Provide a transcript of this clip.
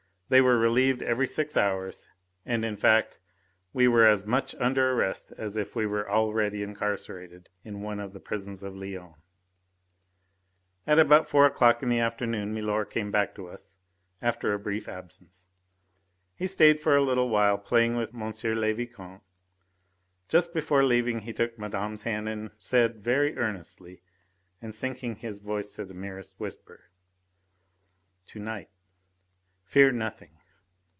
They were relieved every six hours, and, in fact, we were as much under arrest as if we were already incarcerated in one of the prisons of Lyons. At about four o'clock in the afternoon milor came back to us after a brief absence. He stayed for a little while playing with M. le Vicomte. Just before leaving he took Madame's hand in his and said very earnestly, and sinking his voice to the merest whisper: "To night! Fear nothing!